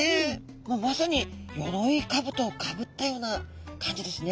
もうまさによろいかぶとをかぶったような感じですね。